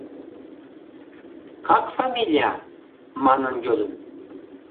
Как фамилия?» манын йодын!